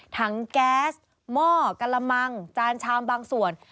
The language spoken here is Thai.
แก๊สหม้อกะละมังจานชามบางส่วน